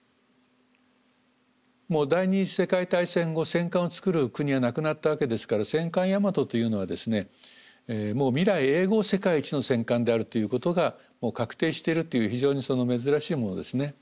もう第２次世界大戦後戦艦を造る国はなくなったわけですから戦艦大和というのはですねもう未来永劫世界一の戦艦であるということが確定してるという非常に珍しいものですね。